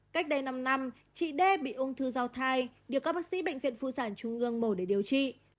cách đây năm năm chị đê bị ung thư giao thai được các bác sĩ bệnh viện phụ sản trung ương mổ để điều trị